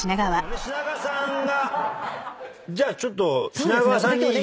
じゃあちょっと。